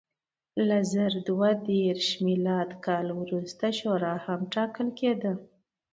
له زر دوه دېرش میلادي کال وروسته شورا هم ټاکل کېده.